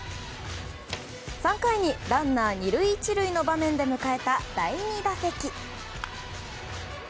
３回にランナー２塁１塁の場面で迎えた第２打席。